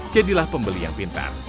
jadilah pembeli yang pintar